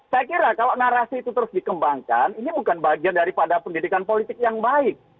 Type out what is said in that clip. saya kira kalau narasi itu terus dikembangkan ini bukan bagian daripada pendidikan politik yang baik